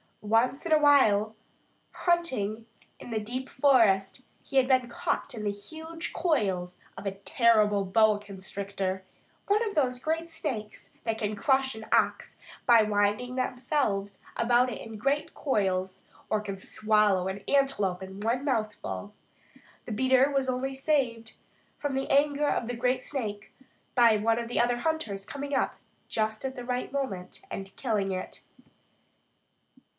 Once while hunting in the deep forest he had been caught in the huge coils of a terrible boa constrictor, one of those great snakes that can crush an ox by winding themselves about it in great coils, or can swallow an antelope at one mouthful. The beater was only saved from the anger of the great snake by one of the other hunters coming up just at the right moment and killing it.